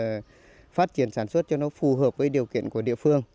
và phát triển sản xuất cho nó phù hợp với điều kiện của địa phương